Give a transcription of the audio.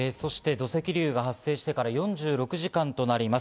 土石流が発生してから４６時間となります。